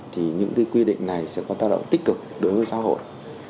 thì những quy định này sẽ có tác động tích cực đối với xã hội